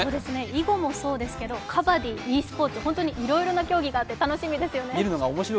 囲碁もそうですけどカバディ、ｅスポーツ、ホントにいろいろな競技があって楽しみですね